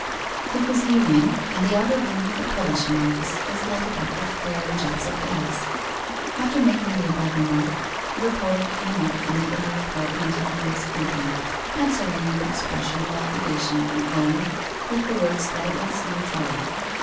It was evening, and the outer room of the publishing office was lighted up with flaring jets of gas. After making the above remark, the reporter came out from the inner apartment in Graye's company, answering an expression of obligation from Owen with the words that it was no trouble.